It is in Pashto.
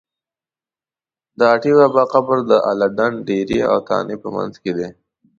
د اټی بابا قبر د اله ډنډ ډېری او تانې په منځ کې دی.